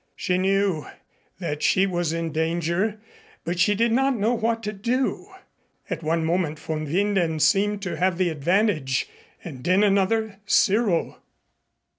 She knew that she was in danger, but she did not know what to do. At one moment von Winden seemed to have the advantage and in another Cyril.